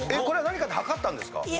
これは何かで測ったんですか？